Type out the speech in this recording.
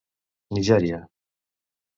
Nigèria.